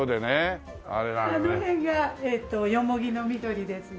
あの辺が蓬の緑ですね。